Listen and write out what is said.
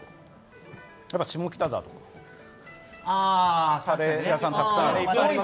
やっぱ下北沢とかカレー屋さんたくさんある。